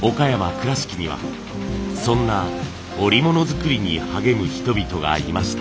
倉敷にはそんな織物作りに励む人々がいました。